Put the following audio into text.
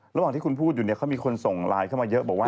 ระหว่างที่คุณพูดอยู่เนี่ยเขามีคนส่งไลน์เข้ามาเยอะบอกว่า